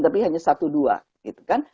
tapi hanya satu dua gitu kan